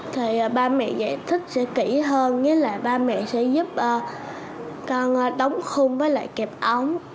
thì ba mẹ giải thích sẽ kỹ hơn với là ba mẹ sẽ giúp con đóng khung với lại kẹp ống